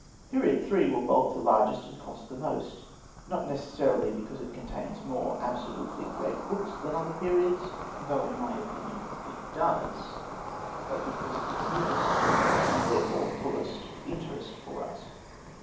Period III. will bulk the largest and cost the most; not necessarily because it contains more absolutely great books than the other periods (though in my opinion it does), but because it is nearest to us, and therefore fullest of interest for us.